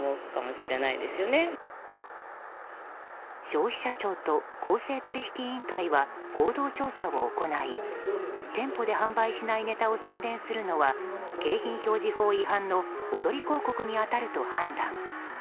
消費者庁と公正取引委員会は合同調査を行い店舗で販売しないネタを宣伝するのは景品表示法違反のおとり広告に当たると判断。